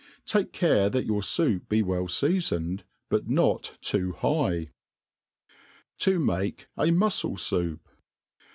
Take care that your foup be well feafoned, but not too high. f m To make a M^l Soup.